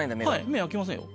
目開きませんよ。